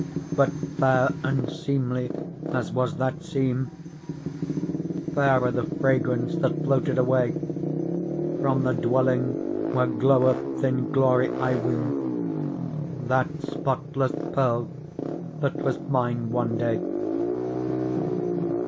But, fair and seemly as was that scene, Fairer the fragrance that floated away From the dwelling where gloweth in glory, I ween. That spotless Pearl that was mine one day.